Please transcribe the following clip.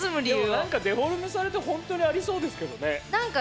デフォルメされて本当にありそうですけどね。